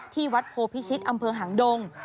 ที่วัดโพพิชิตอำเภอหางดง